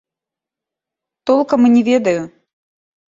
Толкам і не ведаю.